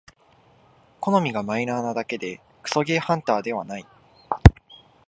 好みがマイナーなだけでクソゲーハンターではない